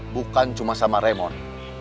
bukan cuma sama raymond